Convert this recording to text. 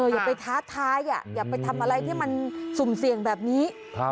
อย่าไปท้าทายอย่าไปทำอะไรที่มันสุ่มเสี่ยงแบบนี้